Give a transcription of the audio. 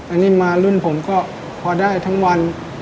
อันนี้มารุ่นผมก็พอได้ทั้งวัน